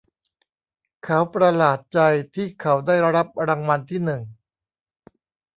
เขาประหลาดใจที่เขาได้รับรางวัลที่หนึ่ง